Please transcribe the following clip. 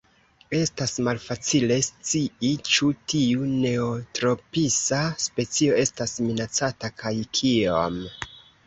Estas malfacile scii ĉu tiu neotropisa specio estas minacata kaj kiom.